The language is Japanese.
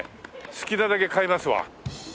好きなだけ買えますわ。